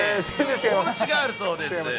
おうちがあるそうです。